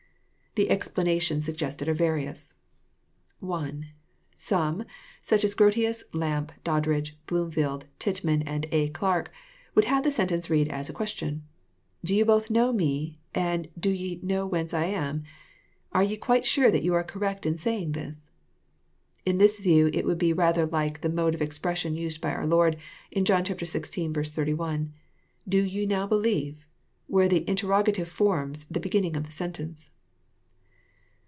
The explanations suggested are various. (1) Some, as Grotins, Lampe, Doddridge, Bloomfield, Titt xnan, and A. Clarke, would have the sentence read as a question :—" Do you both know me, and do ye know whence I am? Are you quite sure that you are correct in saying this? " —In this view it would be rather like the mode of expression used by our Lord in John xvi. 31, — "Do ye now believe?" where the interrogative forms the beginning of the sentence.